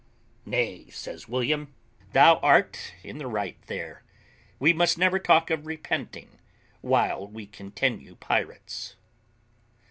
"Nay," says William, "thou art in the right there; we must never talk of repenting while we continue pirates."